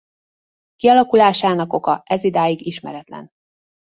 Kialakulásának oka ezidáig ismeretlen.